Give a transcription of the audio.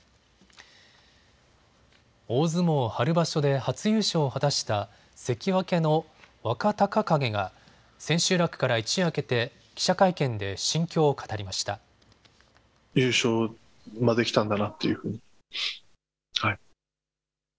大相撲春場所で初優勝を果たした関脇の若隆景が千秋楽から一夜明けて記者会見で心境を語りました。